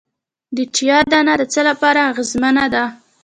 د چیا دانه د څه لپاره اغیزمنه ده؟